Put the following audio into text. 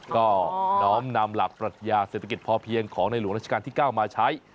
ก็น้อมนำหลักปรัชญาเศรษฐกิจพอเพียงของในหลวงราชการที่๙มาใช้